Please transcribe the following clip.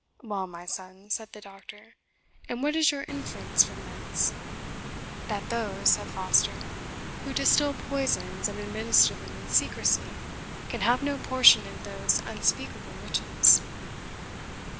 "Well, my son," said the Doctor, "and what is your inference from thence?" "That those," said Foster, "who distil poisons, and administer them in secrecy, can have no portion in those unspeakable riches."